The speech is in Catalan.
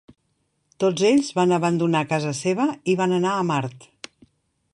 Tots ells van abandonar casa seva i van anar a Mart.